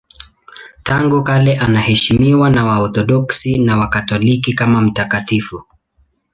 Tangu kale anaheshimiwa na Waorthodoksi na Wakatoliki kama mtakatifu.